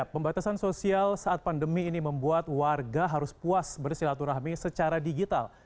pembatasan sosial saat pandemi ini membuat warga harus puas bersilaturahmi secara digital